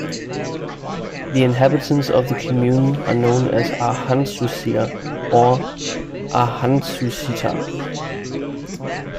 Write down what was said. The inhabitants of the commune are known as "Arhantsusiar" or "Arhantsusitar".